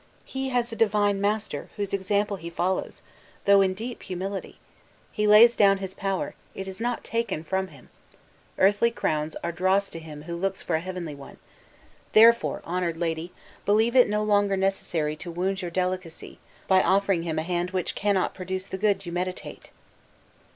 he has a Divine Master, whose example he follows, though in deep humility! He lays down his power; it is not taken from him. Earthly crowns are dross to him who looks for a heavenly one. Therefore, honored lady, believe it no longer necessary to wound your delicacy, by offering him a hand, which cannot produce the good you meditate!"